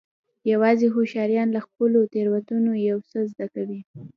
یوازې هوښیاران له خپلو تېروتنو یو څه زده کوي.